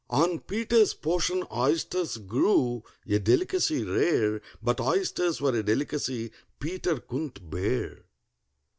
On PETER'S portion oysters grew—a delicacy rare, But oysters were a delicacy PETER couldn't bear.